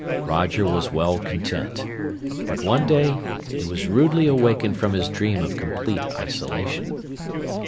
Roger was well content: but one day he was rudely awakened from his dream of complete isolation.